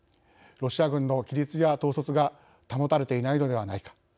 ロシア軍の規律や統率が保たれていないのではないか。